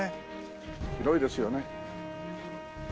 広いですよね。